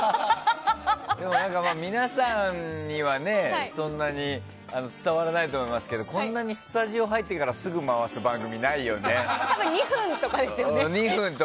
でも、皆さんにはそんなに伝わらないと思いますけどこんなにスタジオに入ってからすぐ回す番組って２分とかですよね。